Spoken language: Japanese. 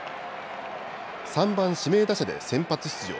３番・指名打者で先発出場。